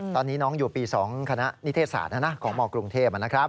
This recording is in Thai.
ตอนนี้น้องอยู่ปี๒คณะนิเทศศาสตร์ของมกรุงเทพนะครับ